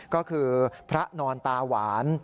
ก็คือพระนอนตาหวาน